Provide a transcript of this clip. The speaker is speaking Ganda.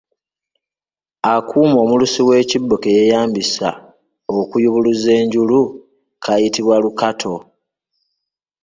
Akuuma omulusi w'ekibbo ke yeeyambisa okuyubuluza enjulu kayitibwa lukatu.